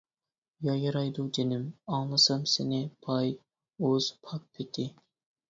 يايرايدۇ جېنىم، ئاڭلىسام سېنى باي، ئۇز، پاك پېتى.